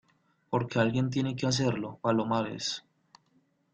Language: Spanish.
porque alguien tiene que hacerlo, Palomares.